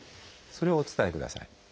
それをお伝えください。